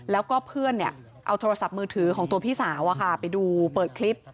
แล้วก็เพื่อนเอาโทรศัพท์มือถือของตัวพี่สาวไปดูเปิดคลิป